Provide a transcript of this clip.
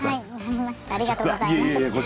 ありがとうございます。